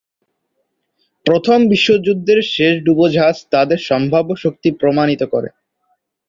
প্রথম বিশ্বযুদ্ধের শেষ ডুবোজাহাজ তাদের সম্ভাব্য শক্তি প্রমাণিত করে।